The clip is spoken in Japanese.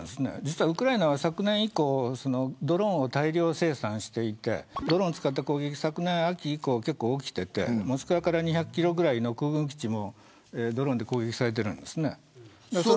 ウクライナは昨年以降ドローンを大量生産していてドローンを使った攻撃は昨年秋以降、結構起きていてモスクワから２００キロぐらいの空軍基地も攻撃されています。